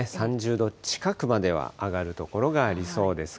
３０度近くまでは上がる所はありそうです。